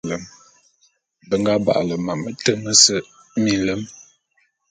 Be nga ba'ale mam mete mese minlem.